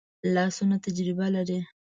لاسونه تجربه لري